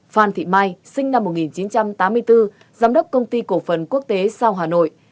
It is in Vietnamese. phan thị mai sinh năm một nghìn chín trăm tám mươi bốn giám đốc công ty cổ phần quốc tế sao hà nội